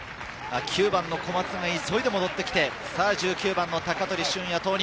９番の小松が急いで戻ってきて、１９番の鷹取駿也、投入。